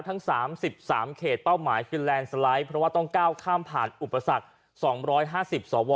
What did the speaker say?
ทั้ง๓๓เขตเป้าหมายคือแลนด์สไลด์เพราะว่าต้องก้าวข้ามผ่านอุปสรรค๒๕๐สว